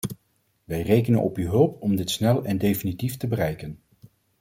Wij rekenen op uw hulp om dit snel en definitief te bereiken.